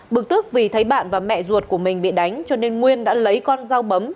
bực tức vì thấy bạn và mẹ ruột của mình bị đánh cho nên nguyên đã lấy con dao bấm